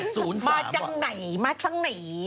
มาจากไหนมาทางไหน